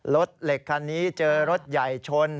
รถเหล็กคันนี้เจอรถใหญ่ชน